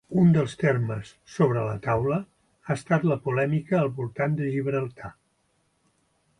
Un dels temes sobre la taula ha estat la polèmica al voltant de Gibraltar.